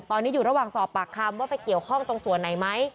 ตอนนี้อยู่ระหว่างสอบปากคำว่าไปเกี่ยวข้องตรงส่วนไหนไหม